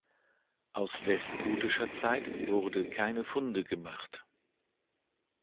Aus westgotischer Zeit wurde keine Funde gemacht.